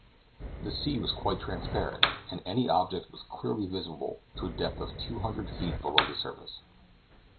The sea was quite transparent, and any object was clearly visible to a depth of two hundred feet below the surface.